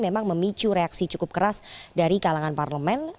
memang memicu reaksi cukup keras dari kalangan parlemen